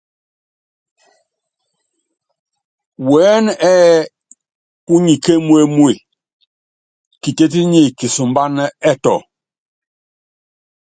Wɛɛ́nɛ ɛ́ɛ́ púnyi kémuémue, Kitétí nyi kisúmbána ɛtɔ.